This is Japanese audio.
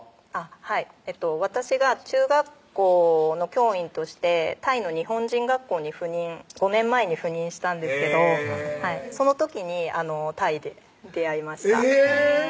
はい私が中学校の教員としてタイの日本人学校に赴任５年前に赴任したんですけどその時にタイで出会いましたえぇ！